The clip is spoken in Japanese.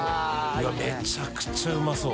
うわっめちゃくちゃうまそう。